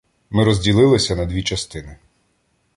Ми розділилися на дві частини.